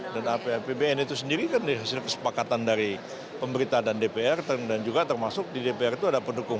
dan apbn itu sendiri kan hasil kesepakatan dari pemberitaan dan dpr dan juga termasuk di dpr itu ada pendukung